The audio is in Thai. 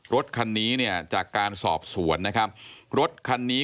รถคันนี้เนี่ยจากการสอบสวนนะครับรถคันนี้